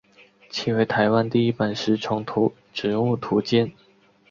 其为台湾第一本食虫植物图鉴。